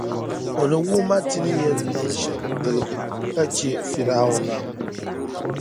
O ni wuhi ma ti ni yεn niŋ shεm tilgi ka chε Fir’auna.